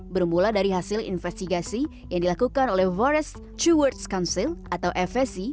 bermula dari hasil investigasi yang dilakukan oleh forest to worlds council atau fsc